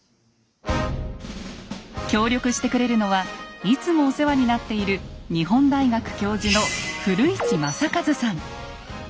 協力してくれるのはいつもお世話になっている日本大学教授の古市昌一さん。